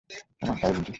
ওমা তাই বুঝি!